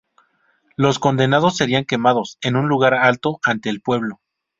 Los condenados serían quemados "en un lugar alto" ante el pueblo.